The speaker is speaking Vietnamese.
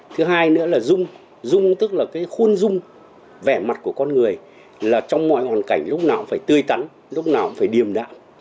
thứ hai nữa là dung dung tức là cái khuôn dung vẻ mặt của con người là trong mọi hoàn cảnh lúc nào cũng phải tươi tắn lúc nào cũng phải điềm đạm